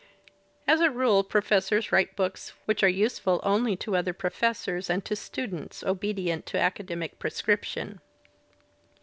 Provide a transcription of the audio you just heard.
As a rule professors write books which are useful only to other professors and to students obedient to academic prescription.